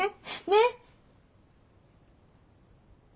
ねっ？